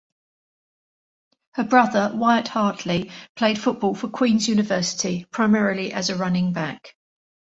Her brother Wyatt Hartley played football for Queen's University, primarily as a running back.